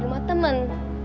di rumah temen